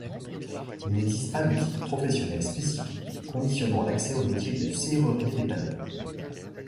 Il n'existe pas de titre professionnel spécifique conditionnant l'accès au métier de serrurier dépanneur.